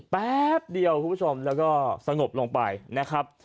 แป๊บเดียวคุณผู้ชมแล้วก็สงบลงไปนะครับ